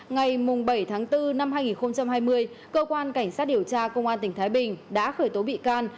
ngày bảy tháng bốn năm hai nghìn hai mươi cơ quan cảnh sát điều tra công an tỉnh thái bình đã khởi tố bị can